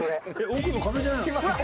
奥の壁じゃないですか？